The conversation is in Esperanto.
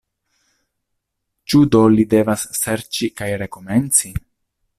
Ĉu do li devas serĉi kaj rekomenci?